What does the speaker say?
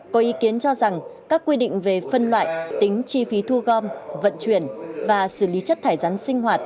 có ý kiến cho rằng các quy định về phân loại tính chi phí thu gom vận chuyển và xử lý chất thải rắn sinh hoạt